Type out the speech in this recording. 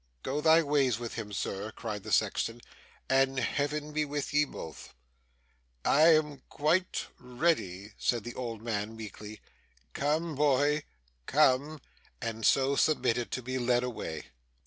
'Go thy ways with him, Sir,' cried the sexton, 'and Heaven be with ye both!' 'I am quite ready,' said the old man, meekly. 'Come, boy, come ' and so submitted to be led away.